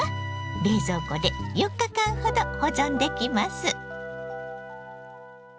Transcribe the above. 冷蔵庫で４日間ほど保存できます。